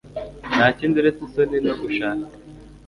Ntakindi uretse isoni no gushaka